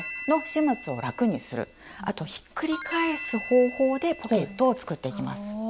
あとひっくり返す方法でポケットを作っていきます。